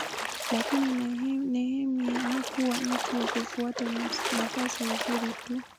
Lakini Nehemia hakuwa mtu wa kutafuta nafasi nzuri tu.